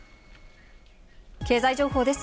経済情報です。